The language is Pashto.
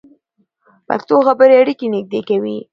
پښتو خبرې اړیکې نږدې کوي.